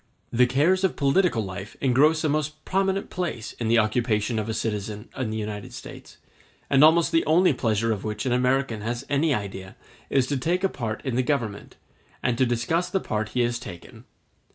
The cares of political life engross a most prominent place in the occupation of a citizen in the United States, and almost the only pleasure of which an American has any idea is to take a part in the Government, and to discuss the part he has taken.